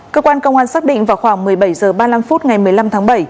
cơ quan công an xác định vào khoảng một mươi bảy h ba mươi năm phút ngày một mươi năm tháng bảy